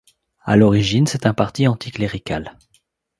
À l'origine, c'est un parti anticlérical.